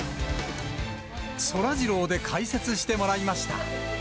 そらジローで解説してもらいました。